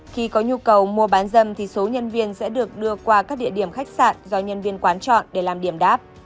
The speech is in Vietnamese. khi có nhu cầu mua bán dâm thì số nhân viên sẽ được đưa qua các địa điểm khách sạn do nhân viên quán chọn để làm điểm đáp